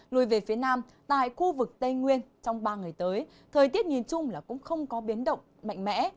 lùi về phía nam tại khu vực tây nguyên trong ba ngày tới thời tiết nhìn chung là cũng không có biến động mạnh mẽ